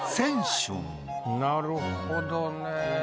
なるほどね。